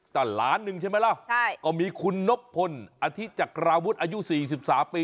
แต่๑๐๐๐๐๐๐บาทใช่ไหมล่ะก็มีคุณนพลอธิจักรววุฒิอายุ๔๓ปี